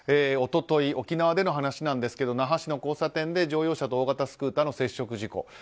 一昨日、沖縄での話なんですが那覇市の交差点で乗用車と大型スクーターの接触事故。